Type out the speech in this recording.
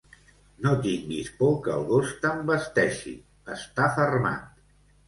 No tinguis por que el gos t'envesteixi: està fermat.